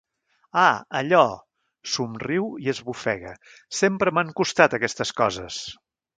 Ah, allò! —somriu i esbufega— Sempre m'han costat aquestes coses.